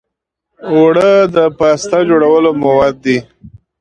اوړه د پاستا جوړولو مواد دي